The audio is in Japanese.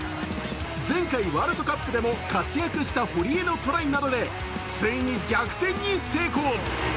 前回ワールドカップでも活躍したほりえのトライなどでついに逆転に成功。